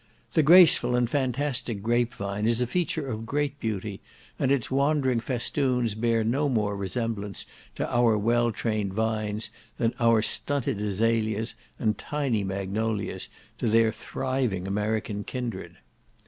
The graceful and fantastic grapevine is a feature of great beauty, and its wandering festoons bear no more resemblance to our well trained vines, than our stunted azalias, and tiny magnolias, to their thriving American kindred.